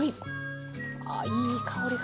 あいい香りが。